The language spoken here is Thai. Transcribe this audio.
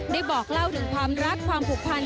บอกเล่าถึงความรักความผูกพัน